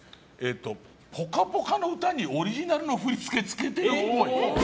「ぽかぽか」の歌にオリジナルの振り付けをつけているっぽい。